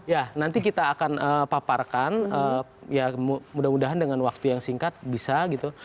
ya nanti kita akan paparkan ya mudah mudahan dengan waktu yang singkat bisa gitu